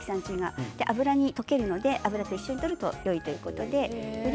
油に溶けるので一緒にとるといいということです。